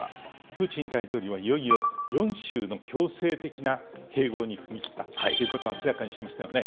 プーチン大統領はいよいよ４州の強制的な併合に踏み切ったということを明らかにしましたよね。